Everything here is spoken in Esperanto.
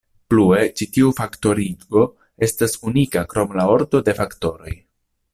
Plue ĉi tiu faktorigo estas unika krom la ordo de faktoroj.